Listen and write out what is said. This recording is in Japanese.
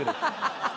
ハハハ！